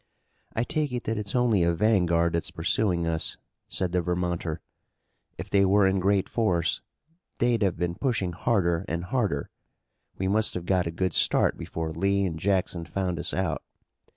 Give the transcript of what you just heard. "I take it that it's only a vanguard that's pursuing us," said the Vermonter. "If they were in great force they'd have been pushing harder and harder. We must have got a good start before Lee and Jackson found us out.